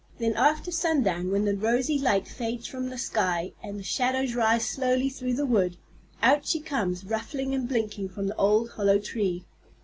Then after sundown, when the rosy light fades from the sky and the shadows rise slowly through the wood, out she comes ruffling and blinking from the old hollow tree.